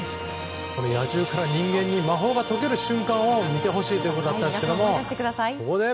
野獣から人間に魔法が解ける瞬間を見てほしいということでしたがここで。